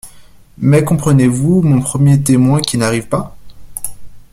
Mais comprenez-vous mon premier témoin qui n’arrive pas ?